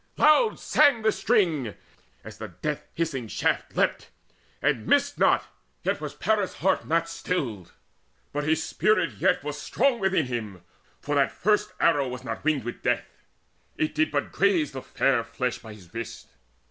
Loud sang the string, as the death hissing shaft Leapt, and missed not: yet was not Paris' heart Stilled, but his spirit yet was strong in him; For that first arrow was not winged with death: It did but graze the fair flesh by his wrist.